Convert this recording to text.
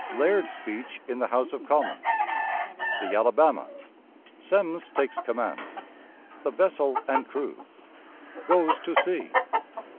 Laird's Speech in the House of Commons. The Alabama. Semmes takes Command. The Vessel and Crew. Goes to Sea.